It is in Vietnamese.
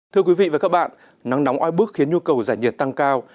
thưa quý vị và các bạn nắng nóng oi bức khiến nhu cầu giải nhiệt tăng cao